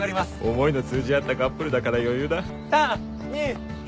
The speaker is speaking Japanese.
思いの通じ合ったカップルだから余裕だ３・２・１。